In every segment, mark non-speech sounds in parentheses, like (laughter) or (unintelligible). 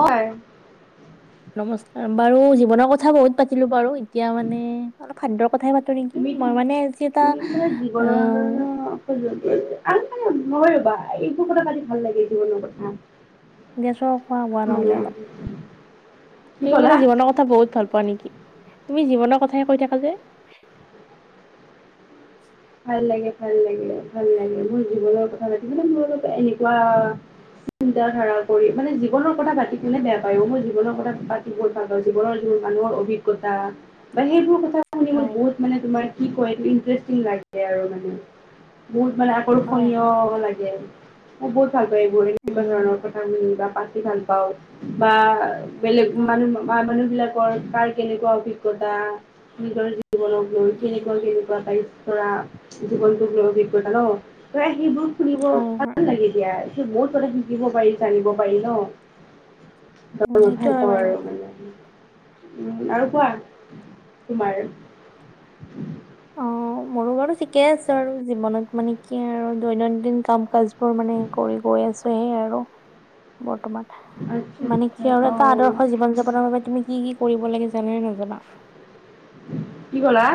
অয়- নমস্কাৰ, বাৰু জীৱনৰ কথা বহুত পাতিলো বাৰু, এতিয়া মানে অলপ খাদ্যৰ কথাই পাতো। হয় নেকি, তুমি মই তুমি মানে আজি এটা অ'- অ অ নহয় ৰ'বা, এইবোৰ কথাাত আজি ভাল লাগে জীৱনৰ কথা। গেছৰ খোৱা বোৱা নহ'লে অলপ। (unintelligible) কি তুমি ক'লা মানে জীৱনৰ কথা বহুত ভাল পোৱা নেকি? তুমি জীৱনৰ কথাহে কৈ থাকা যে। ভাল লাগে, ভাল লাগে, ভাল লাগে, মোৰ জীৱনৰ কথা পাতি, মানে মোৰ অলপ এনেকুৱা- চিন্ত ধাৰা কৰি, মানে জীৱনৰ কথা পাতি কিনে বেয়া পায়, মই জীৱনৰ কথা পাতি- বহুত ভাল পাওঁ, জীৱনৰ মানুহৰ অভিজ্ঞতা বা সেইবোৰ কথা- শুনি মোৰ হয় বহুত মানে, তোমাৰ কি কয়, ইন্টাৰেষ্টিং লাগে আৰু মানে, বহুত মানে- হয় সৰুখনীয় হয় লাগে আৰু - মই বহুত ভাল পাওঁ, এইবোৰ এনেকুৱা উম ধৰণৰ কথা শুনি বা পাতি ভাল পাওঁ বা- বেলেগ হয় মানুহ, মানুহ বিলাকৰ কাৰ কেনেকুৱা অভিজ্ঞতা, নিজৰ জীৱনত লৈ কেনেকুৱা উম কেনেকুৱা টাইপ ধৰা, জীৱনটোক লৈ অভিজ্ঞতা ন', ধৰা সেইবোৰ শুনিব হয় ভাল হয় লাগে দিয়া, বহুত কথা শিকিব পাৰি, জানিব পাৰি ন'। (unintelligible) উম সেইটো ভাল হয় পাওঁ বাৰু আৰু মানে। আৰু কোৱা, তোমাৰ অ মোৰো বাৰু ঠিকে আছে বাৰু, জীৱনত মানে কি আৰু দৈনন্দিন কাম কাজ তোৰ মানে, কৰি গৈ আছো সেই আৰু। বৰ্তমান, আচ্ছা মানে আচ্ছা কি আৰু অ এটা আদৰ্শ জীৱন যাপনৰ বাবে তুমি কি কৰিব লাগে, জানানে নাজানা? কি ক'লা?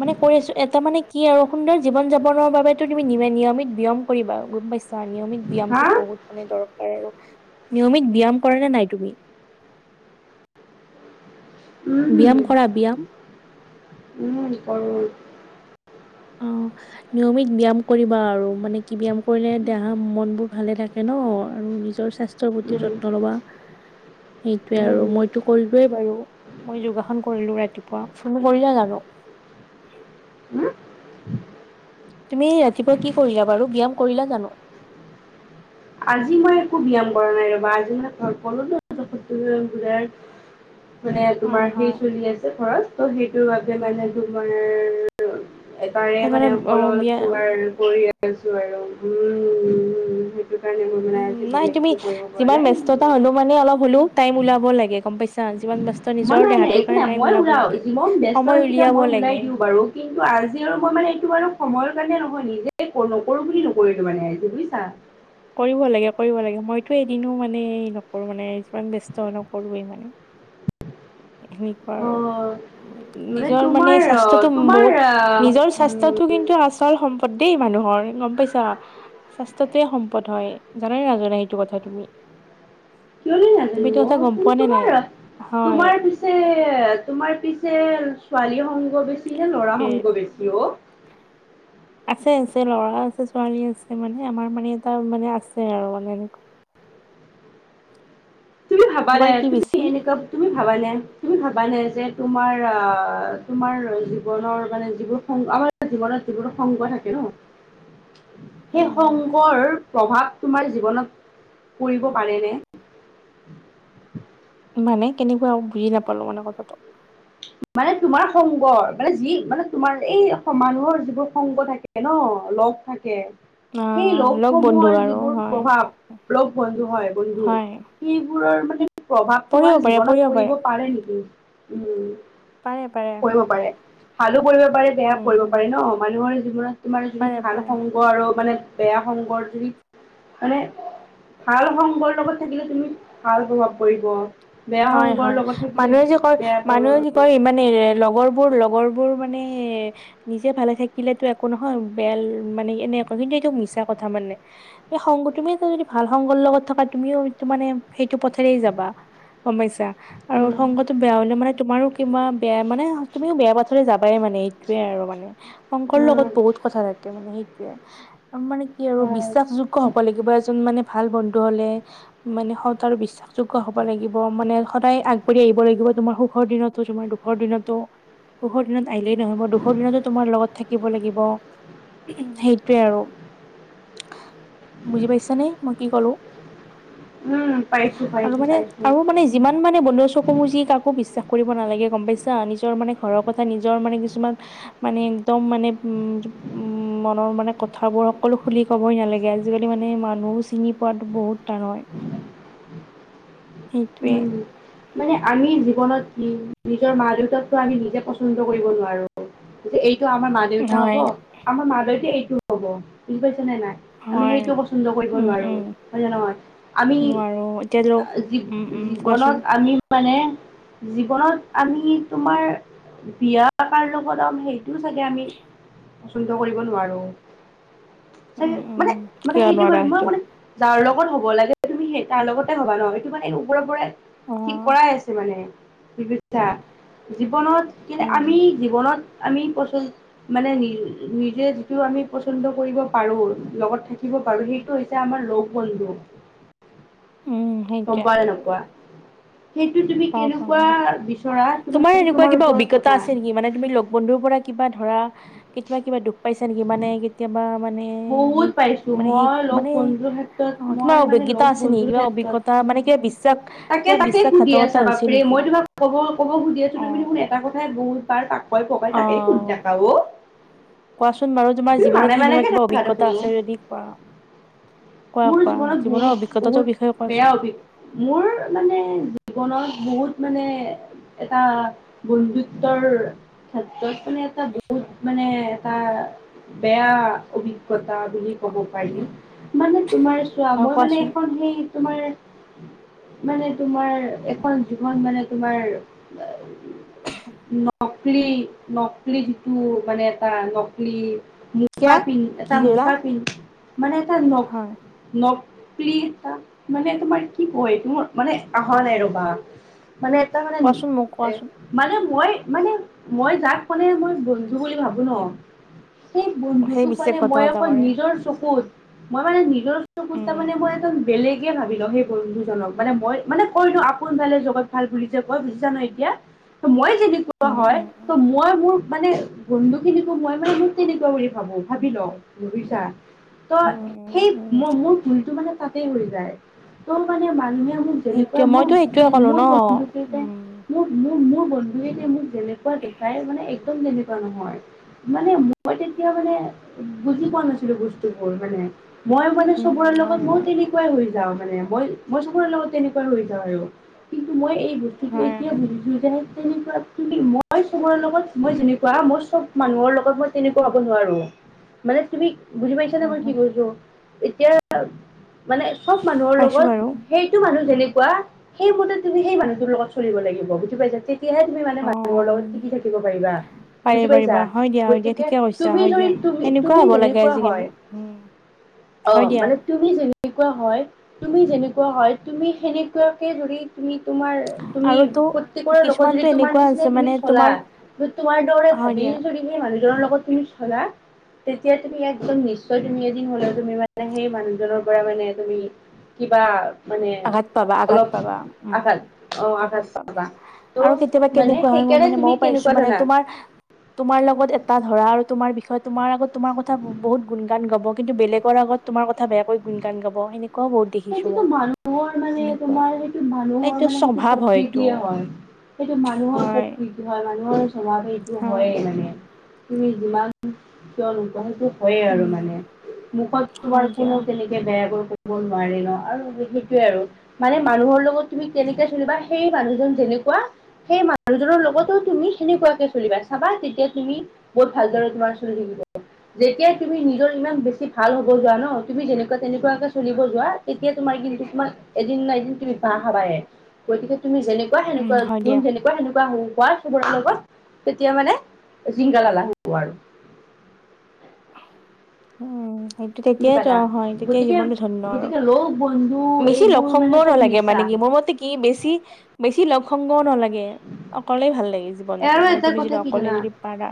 মানে কৈ আছো, এটা মানে কি আৰু সুন্দৰ জীৱন-যাপনৰ বাবে তুমি নিয়মিত ব্যয়াম কৰিবা, গম পাইছা নিয়মিত হা ব্যায়ামটো বহুত মানে দৰকাৰ আৰু, নিয়মিত ব্যয়াম কৰা নে নাই তুমি? উম ব্যায়াম কৰা, ব্যায়াম? উম, কৰো, কৰো। অ'। নিয়মিত ব্যায়াম কৰিবা আৰু মানে কি ব্যায়াম কৰিলে, দেহা মন বোৰ ভালে থাকে ন আৰু নিজৰ স্বা স্বাস্থ্য প্ৰতি উম যত্ন লবা, সেইটোৱে উম, আৰু মই তো কৰিলোয়েই বাৰু, মই যোগাসন কৰিলো ৰাতিপুৱা, ফোন কৰিলা জানো। উম, তুমি য়ে ৰাতিপুৱা কি কৰিলা বাৰু, ব্যয়াম কৰিলা জানো? আজি মই একো ব্যায়াম কৰা নাই ৰবা, আজি মই (unintelligible) মানে হয় তোমাৰ সেই হয় চলি আছে ঘৰত। ত' সেইটোৰ বাবে মানে তোমাৰ এবাৰেই সেইকাৰণে মানে অ অকল যোগাৰ ব্যায়াম কৰি আছো আৰু, উম। সেইটো কাৰণে মানে উম আজি নাই বেলেগ তুমি, একো কৰিব পৰা যিমান নাই। ব্যস্ততা হ'লেঁও মানে অলপ হ'লেঁও টাইম ওলাব লাগে, গম পাইছা যিমান বাস্ত মই নিজৰ নাই নাই দেহটোৰ একো নাই কাৰণে টাইম মই উলিয়াব ওলাও লাগে, যিমান ব্যস্ত সময় থাকিলে উলিয়াব মই ওলাই লাগে দিওঁ বাৰু কিন্তু আজি আৰু মই মানে এইটো বাৰু সময়ৰ কাৰণে নহয়, নিজে নকৰো বুলি নকৰি মানে, বুজিছা? কৰিব লাগে, কৰিব লাগে, মইতো এদিনো মানে নকৰো মানে যিমান ব্যস্ত হৈ নকৰোৱেই মানে। সেনেকুৱা আৰু। অ', নিজৰ মানে তোমাৰ অ', স্বাস্থ্যতটো তোমাৰ বহুত, আহ নিজৰ স্বাস্থ্য উম, টো কিন্তু আ আচল সম্পদ দেই মানুহৰ, গম পাইছা? স্বাস্থ্যটোৱে সম্পদ হয়, জানানে নাজানা এইটো কথা তুমি। কিয় তুমিতো নাজানো কথা অ', গম কি পোৱা নে নাই? তোমাৰ, হয়, তোমাৰ পিছ পিছে, তোমাৰ পিছে ছোৱালী সংগ বেছি নে ল'ৰা সেইটোৱে। সংগ বেছি, অ'। আছে আছে, ল'ৰা আছে ছোৱালী আছে, মানে আমাৰ মানে এটা মানে আছে মানে এনেকুৱা। তুমি ভাবা তোমাৰ দে কি তুমি বেছি এনেকুৱা তুমি ভাবানে, তুমি ভাবানে যে তোমাৰ আহ, তোমাৰ জীৱনৰ মানে যিবোৰ আমাৰ জীৱনত যিবোৰো খংগ থাকে ন (inaudible) সেই উম হম। সংগৰ প্ৰভাৱ তোমাৰ জীৱনত, পৰিব পাৰেনে? (inaudible) মানে কেনেকুৱা আৰু বুজি নাপালোঁ মানে কথাটো। মানে তোমাৰ সংগ, মানে যি মানে তোমাৰ এই মানুহৰ যিবোৰ সংগ থাকে থাকে ন, লগ থাকে। অ সেই লগ বন্ধু লগকসমূহৰ আৰু যিবোৰ হয় প্ৰভাৱ ৰ বন্ধু হয় বন্ধু হয় সেইবোৰৰ মানে প্ৰভাৱ পঢ়িব তোমাৰ পাৰে জীৱনত পঢ়িব পৰিব পাৰে নেকি উম পাৰে পাৰে পৰিব ভালো পৰিব পাৰে বেয়া উম পৰিব হম পাৰে ন মানুহৰ জীৱনত তোমাৰ যদি পাৰে ভাল পাৰে সংগ আৰু মানে বেয়া সংগ যদি মানে ভাল সংগৰ লগত থাকিলে তুমি ভাল প্ৰভাৱ পৰিব। বেয়া হয় সংগৰ হয় লগত থাকিলে মানুহে যে কয় বেয়া প্ৰভাৱ মানুহে যে কয় মানে লগৰ বোৰ লগৰ বোৰ মানে নিজে ভালে থাকিলেতো একো নহয় বেল মানে এনে কিন্তু এইটো মিছা কথা মানে এই সংগ তুমি এটা যদি ভাল সংগৰ লগত থকা তুমিওটো মানে সেইটো পথেৰেই যাবা। সমস্যা আৰু উম সংগতটো বেয়া মানে তোমাৰো কিবা বেয়া মানে তুমিও বেয়া পথলৈ যাবা। যায় মানে সেইটোয়ে আৰু মানে সংগৰ উম লগত বহুত কথা থাকে মানে সেইটোয়ে মানে কি আৰু হয় বিশ্বাসযোগ্য হ'ব লাগিব এজন মানে ভাল বন্ধু হ'লে মানে সত আৰু বিশ্বাসযোগ্য হ'ব লাগিব। মানে সদায় আগবাঢ়ি আহিব লাগিব তোমাৰ সুখৰ দিনতো তোমাৰ দুখৰ দিনতো। সুখৰ দিনত আহিলেই নহ'ব দুখৰ দিনতো তোমাৰ লগত থাকিব লাগিব। উম সেইটোৱে আৰু বুজি পাইছানে মই কি কলো। উম পাৰিছো‍ঁ পাৰিছোঁ পাৰিছোঁ মোৰ মানে যিমান মানে বন্ধুৰ চকু মোজি কাকো বিশ্বাস কৰিব নালাগে গম পাইছা? নিজৰ মানে ঘৰৰ কথা নিজৰ মানে কিছুমান মানে একদম মানে উম, উম, মনৰ মানে কথাবোৰ সকলো খুলি ক'বই নালাগে আজিকালি মানে মানুহো চিনি পোৱাতো বহুত টান হয়। সেইটোৱে। উম, মানে আমি জীৱনত কি নিজৰ মা দেউতাকতো আমি নিজে পচন্দ কৰিব নোৱাৰোঁ। যে এইটো আমাৰ মা-দেউতা হ'ব হয় আমাৰ মা-দেউতাই এইটোও হ'ব, বুজি পাইছে নে নাই? আমি হয় সেইটো পচন্দ কৰিব উম নোৱাৰো উম হয় নে নহয়? আমি নোৱাৰো এতিয়া ল জী উম উম কোৱাচোন জীৱনত আমি মানে জীৱনত আমি তোমাৰ বিয়া কাৰ লগত আমি সেই টোও চাগে আমি পচন্দ কৰিব নোৱাৰোঁ। উম চাগে উম মানে মানে কিয় সেইটো নোৱাৰা কৰি মই মানে যাৰ লগত হ'ব লাগে তুমি সেই তাৰ লগতে হ'বা ন' এইটো মানে ওপৰৰ পৰাই অ ঠিক কৰাই আছে মানে বুজিছা জীৱনত কিন্তু হয় আমি হয় জীৱনত আমি পচন মানে নি নিজে যিটো আমি পচন্দ কৰিব পাৰোঁ লগত থাকিব পাৰোঁ সেইটো হৈছে চে আমাৰ লগ বন্ধু। উম গম সেইটোৱে পোৱা নে নোপোৱা? সেইটো তুমি পাওঁ পাওঁ, কেনেকুৱা মানে বিচৰা তোমাৰ সেইটো এনেকুৱা কিবা ওপৰত অভিজ্ঞতা কথা আছে নেকি মানে তুমি লগ বন্ধুৰ পৰা কিবা ধৰা কেতিয়াবা কিবা দুখ পাইছা নেকি? মানে কেতিয়াবা মানে সেই বহুত পাইছো মানে সেই মই লগ মানে বন্ধুৰ ক্ষেত্ৰত অ কিবা মই মানে অভিজ্ঞতা লগ আছে নেকি বন্ধুৰ কিবা ক্ষেত্ৰত অভিজ্ঞতা মানে কিবা বিশ্বাস তাকে কিবা তাকে সুধি বিশ্বাসঘাতকতা আছা হৈছে বাপৰে নেকি? মই তোমাক ক'ব ক'ব খুজি আছিলোঁ অ তুমি দেখোন এটা কথাই বহুত বাৰ পাক পকাই পকাই অ তাকে সুধি থাকা অ'। কোৱাচোন বাৰু তোমাৰ তুমি মানে জীৱনত সেনেকুৱা মানেকে কিবা থাকা দেখোন অভিজ্ঞতা অ আছে যদি কোৱা। কোৱা মোৰ কোৱা জীৱনত জীৱনৰ বহুত অভিজ্ঞতাটোৰ বিষয়ে বহুত বেয়া কোৱাচোন অভিজ্ঞ মোৰ মানে জীৱনত বহুত মানে এটা বন্ধুত্বৰ ক্ষেত্ৰত মানে এটা বহুত মানে এটা বেয়া অভিজ্ঞতা বুলি ক'ব পাৰি। মানে তোমাৰ চোৱা হয় মই মানে কোৱাচোন এখন সেই তোমাৰ মানে তোমাৰ এখন জীৱন মানে তোমাৰ নকলি নকলি যিটো মানে এটা নকলি মো মুখা কিয়া পিন্ধ এটা কি কৰিলা মুখা পিন্ধ মানে এটা ন হয়। নকলি এটা মানে তোমাৰ কি কয় এইটো মানে অহা নাই ৰ'বা। মানে এটা মানে মি কোৱাচোন মোক এ কোৱাচোন মানে মই মানে মই যাক মানে মই বন্ধু বুলি ভাবো ন সেই সেই বন্ধুটোক মানে মই বিশ্বাসঘাতকতা অকল কৰে নিজৰ চকুত মই মানে নিজৰ চকুত উম তাৰ মানে মই এজন বেলেগে ভাবি লওঁ সেই বন্ধুজনক, মানে মানে কয় ন' আপোন ভালে জগত ভাল বুলি যে কয় বুজিছা ন এতিয়া? ত মই যেনেকুৱা উম হয় উম উম ত মই মোৰ মানে বন্ধু খিনিকো মই মানে মোক তেনেকুৱা বুলি ভাবো, ভাবি লও বুজিছা? উম ত' উম সেই উম ম মোৰ ভুলটো মানে তাতেই হৈ যায় ত মানে মানুহে মোক সেইটোৱে তেনেকুৱা মোৰ মইতো সেইটোৱে ফ্ৰেণ্ড ক'লো ন মোৰ উম বন্ধুকেইটাই মোক মোৰ মোৰ বন্ধুৱে এতিয়া মোক যেনেকুৱা দেখাই মানে একদম তেনেকুৱা নহয়। মানে মই তেতিয়া মানে বুজি পোৱা নাছিলোঁ বস্তুবোৰ মানে। মই মানে উম চবৰে হয় লগত মইয়ো হয় তেনে কুৱাই হৈ যাওঁ মানে মই মই চবৰে লগত তেনেকুৱা হৈ যাওঁ আৰু কিন্তু মই এই বস্তুতটো হয় এতিয়া বুজিছো এতিয়া বুজিছো এতিয়া সেই কেনেকুৱা কি মই মই তোমাৰ লগত মই যেনেকুৱা মই চব মানুহৰ লগত মই তেনেকুৱা হ'ব নোৱাৰো। মানে তুমি বুজি পাইছা নে হয় মই হয় কৈছোঁ? এতিয়া মানে চব মানুহৰ পাইছো লগত বাৰু সেইটো মানুহ যেনেকুৱা সেই মতে তুমি সেই মানুহটোৰ লগত চলিব লাগিব বুজি পাইছা। তেতিয়াহে তুমি মানে মানুহৰ লগত ঠিকি থাকিব পাৰিবা। বুজি পাৰিবা পাইছা পাৰিবা হয় দিয়া হয় দিয়া গতিকে ঠিকে কৈছা তুমি হয় যদি দিয়া তুমি সেনেকুৱা তুমি হ'ব লাগে যেনেকুৱা হয় আজিকালি উম। হয় অ' দিয়া মানে তুমি যেনেকুৱা হয়। তুমি যেনেকুৱা হয় তুমি সেনেকুৱাকে ধৰি তুমি তোমাৰ তুমি আৰুতো প্ৰত্যেকৰে লগত যদি কিছুমানতো তোমাৰ এনেকুৱা আছে নিচিনাই তুমি মানে চলা তোমাৰ তোমাৰ দৰে হয় ভাবি দিয়া যদি সেই মানুহজনৰ লগত তুমি চলা তেতিয়া তুমি একদম নিশ্চয় তুমি এদিন হ'লেও তুমি মানে সেই মানুহজনৰ পৰা মানে তুমি কিবা মানে আঘাত পাবা আঘাত অলপ পাবা উম আঘাত অ আঘাত পাবা। আৰু ত' কেতিয়াবা মানে কেনেকুৱা হয় মইয়ো সেইকাৰণে মানে তুমি মইয়ো পাইিছো কেনেকুৱা মানে জানা তোমাৰ তোমাৰ লগত এটা ধৰা আৰু তোমাৰ বিষয়ে তোমাৰ আগত তোমাৰ কথা বহুত গুণগান গাব কিন্তু বেলেগৰ আগত তোমাৰ কথা বেয়াকৈ গুণ গান গাব সেনেকোৱাও সেইটোতো মানুহৰ মানে তোমাৰ সেইটো মানুহৰ মানে এইটো স্বভাৱ হয় এইটো প্ৰকৃতিয়ে হয়। সেইটো মানুহৰ হয় প্ৰকৃতি। কি হয় মানুহৰ স্বভাৱেই এইটো হয় হয়েই মানে তুমি যিমান কিয় নোকোৱা সেইটো হয়ে আৰু উম মানে মুখত হয় তোমাৰ দিয়া কোনেও তেনেকে বেয়াকৈ ক'ব নোৱাৰে ন' আৰু সেইটোৱে আৰু। মানে মানুহৰ লগত তুমি কেনেকে চলিবা সেই মানুহজন যেনেকুৱা সেই মানুহজনৰ‌ লগতো তুমি সেনেকুৱাকে চলিবা চাবা তেতিয়া তুমি বহুত ভালদৰে তোমাৰ চলি থাকিব। যেতিয়াাই তুমি নিজৰ ইমান বেছি ভাল হ'ব যোৱা ন' তুমি যেনেকুৱা তেনেকুৱাকে চুলি ব যোৱা তেতিয়া তোমাৰ কিন্তু তোমাৰ এদিন না এদিন তুমি বাহ খাবায়ে গতিকে তুমি যেনেক কোৱা উম সেনেকোৱা হয় যোন দিয়া যেনে কোৱা তেনেকুৱা সেনেকুৱা সেইবোৰৰ লগত তেতিয়া মানে জিংগালালা হো আৰু। উম। সেইটো বুজি তেতিয়াই তো পালা অ হয় তেতিয়াই গতিকে জীৱনটো ধন্য আৰু গতিকে লগ বন্ধু বেছি লগ এইবোৰ সংগ মানে চব নালাগে মিছা মানে কি মোৰ মতে কি বেছি বেছি লগ সংগও নালাগে, অকলেই ভাল লাগে যে জীৱনটো আৰু মানে এটা তুমি কথা যদি কি অকলে জানা যদি পাৰা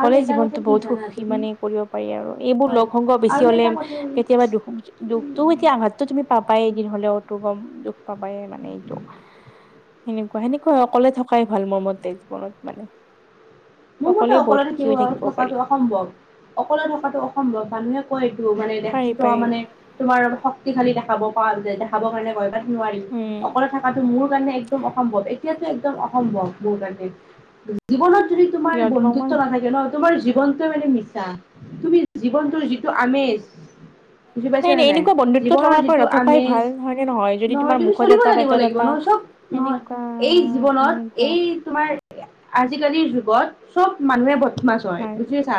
আৰু এটা কথা জীৱনটো কি বহুত‌ জানা সুখী তুমি মানে কৰিব পাৰি আৰু এইবোৰ হয় লগ সংগ আৰু বেছি হলে এটা কথা কেতিয়াবা দুখ দুখটো তিয়া আঘাতটো তুমি পাবাই এদিন হলেওটো গম দুখ পাবাই মানে এইটো সেনেকুৱা সেনেকুৱা অকলে থকাই ভাল মোৰ মতে জীৱনত মানে। মোৰ মতে বহুত অকলে সুখী থাকিব হৈ পাৰি থকাটো সম্ভৱ অকলে থকাটো অসম্ভৱ, মানুহে কয় এইটো মানে পাৰি এক্সট্ৰ পাৰি মানে তোমাৰ অলপ শক্তিশালী দেখাব পাৰা যে দেখাবৰ কাৰণে হয় বাট নোৱাৰিম, উম অকলে থাক কাটো মোৰ কাৰণে একদম অসম্ভৱ এতিয়াতো একদম অসম্ভৱ মোৰ কাৰণে জীৱনত যদি তোমাৰ কিয় তোমাক বন্ধুত্ব মই নাথাকে ন', তোমাৰ জীৱনটো মানে মিছা, তুমি জীৱনটো টো আমেজ বুজি পাইছ নে নাই? এনেকুৱা বন্ধুত্ব জীৱনৰ থকাকৈ যিটো নথকাই আমেজ ভাল হয় নে যদি নহয় তোমাৰ তুমি মুখত চলিব এটা জানিব পেটত লাগিব এটা নহয় চব নহয় সেনেকুৱা এই জীৱনত সেনেকুৱা এই তোমাৰ আজিকালিৰ যুগত চব মানুহে বদ মাচ হয় বুজিছা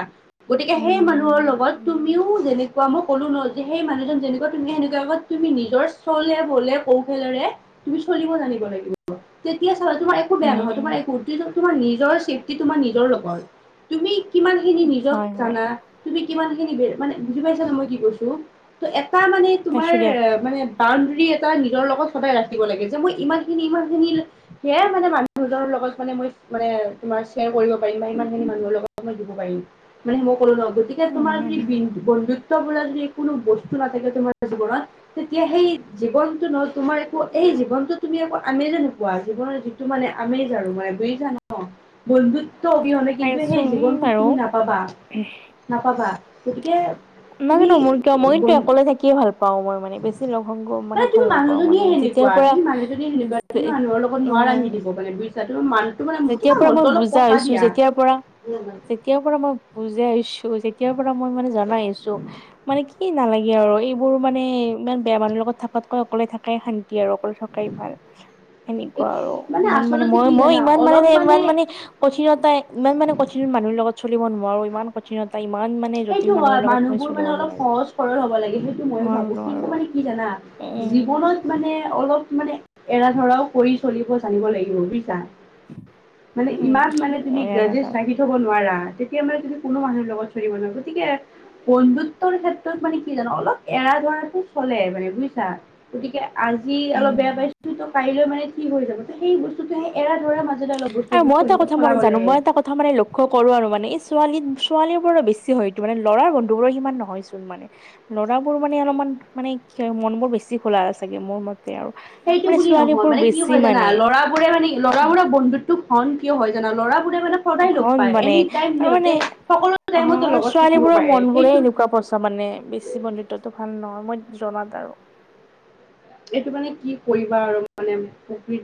গতিকে সেই মানুহৰ উম লগত তুমিও উম যেনে কোৱা মই ক'লো ন' যে সেই মানুহজন যেনেকুৱা তুমি সেনেকুৱা হবা তুমি নিজৰ চলে বলে কৌশলেৰে তুমি চলিব জানিব লাগিব তেতিয়া চাবা তোমাৰ একো বেয়া উম নহয় উম তোমাৰ একো কিন্তু তোমাৰ নিজৰ ছেফটি তোমাৰ নিজৰ লগত। তুমি কিমানখিনি নিজক হয় হয় জানা? তুমি কিমানখিনি বে মানে বুজি পাইছান মই কি কৈছো? ত' এটা মানে তোমাৰ পাইছো দিয়া মানে বাউণ্ডৰী এটা নিজৰ লগত সদাই ৰাখিব লাগে যে মই ইমানখিনি ইমানখিনি ল সেয়াই মানে মানুহজৰ লগত মানে মই মানে তোমাৰ চ শ্বেয়াৰ কৰিব পাৰিম বা ইমানখিনি মানুহৰ লগত মই দিব পাৰিম। মানে মই ক'লো ন' গতিকে উম তোমাৰ যদি উম বিন বন্ধুত্ব বোলা যদি কোনো বস্তু নাথাকে তোমাৰ জীৱনত তেতিয়া সেই জীৱনটো নহ তোমাৰ একো এই জীৱনটো তুমি একো আমেজে নোপোৱা, জীৱনৰ যি টো মানে আমেজ আৰু মানে বুজিছা ন'? বন্ধুত্ব অবিহনে কিন্তু পাইছো সেই জীৱনটোত বাৰু তুমি নাপাবা। নাপাবা, গতিকে তুমি নাজানো মোৰ কিয় মইতো অকলে থাকিয়ে ভাল পাওঁ, মই মানে বেছি লগ-সংগ মানে ভাল নাপাওঁ মানে যে কোৱা তুমি মানুহজনিয়ে সেনেকুৱা, তুমি মানুহৰ লগত নোৱাৰা মানে মিলিব মানে বুজিছা, তোমাৰ মানুহটো মানে মো যেতিয়াৰ তোমাৰ পৰা মন মই বুজা হৈছো যেতিয়াৰ পৰা তিয়াৰ পৰা মই বুজা হৈছোঁ যেতিয়াৰ পৰা মই মানে জনা হৈছোঁ। মানে কি নালাগে আৰু এইবোৰ মানে ইমান বেয়া মানুহৰ লগত থাকাতকৈ অকলে থকাই শান্তি আৰু অকল থকাই ভাল সেনেকুৱা আৰু ইমান মানে আচলতে মই কি মই জানা ইমান মানে অলপ ইমান মানে কঠিনতা ইমান মানে কঠিন মানুহৰ লগত চলিব নোৱাৰো, ইমান কঠিনতা ইমান মান সেইটো হয়, মানুহবোৰ মানে অলপ সহজ সৰল হ'ব লাগে সেইটো ময়ো নোৱাৰো ভাবো কিন্তু নোৱাৰো। মানে কি জানা? উম। জীৱনত মানে অলপ মানে এৰা ধৰাও কৰি চলিব জানিব লাগিব বুজিছা? মানে উম, ইমান কি মানে তুমি গ্ৰাজেশ এলাকা। ৰাখি থব নোৱাৰা, তেতিয়া মানে তুমি কোনো মানুহৰ লগত চলিব নোৱাৰা, গতিকে- বন্ধুত্বৰ ক্ষেত্ৰত মানে কি জানো অলপ এৰা ধৰাটো চলে মানে বুজিছা, গতিকে- আজি অলপ উম। বেয়া পাইছো ত' কাইলৈ মানে ঠিক হৈ যাব? ত' সেই বস্তু- টো সেই এৰা ধৰা মাজেৰে অলপ আৰু বস্তুবোৰ মই এটা চলিব কথা মানে চলাব জানো মই লাগে। এটা কথা মানে লক্ষ্য কৰো আৰু মানে, এই ছোৱাল ছোৱালীবোৰৰে বেছি হয়টো মানে লৰাৰ বন্ধু বোৰৰ সিমান নহয়। চোন মানে ল'ৰাবোৰ অলমান মানে মন বোৰ বেছি খোলা চাগে মোৰ মত- তে আৰু মানে ছোৱালীবোৰ বেছি মানে। বোৰে মানে ল'ৰা বোৰৰ বন্ধুত্ব ঘন কিয় হয় জানা? ল'ৰা বোৰে মানে- সদায় লগ ঘন পাই, মানে এনিটাই আৰু মানে সিহঁতে সকলো অ' টাইমতো আৰু লগত থাকিব ছোৱালীবোৰৰ পাৰে, মন বোৰে সেইটো- এনেকুৱা পচা মানে বেছি বন্ধুত্বটো ভাল নহয়, মই জনাত আৰু। এইটো মানে কি কৰিবা আৰু মানে-